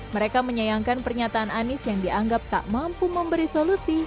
mereka menyayangkan pernyataan anies yang dianggap tak mampu memberi solusi